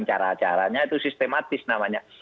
cara caranya itu sistematis namanya